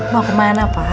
mau ke mana pak